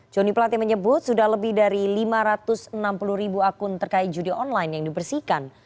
joni plate menyebut sudah lebih dari lima ratus enam puluh ribu akun terkait judi online yang dibersihkan